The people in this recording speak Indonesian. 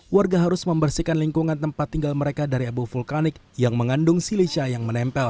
warga harus membersihkan lingkungan tempat tinggal mereka dari abu vulkanik yang mengandung silisha yang menempel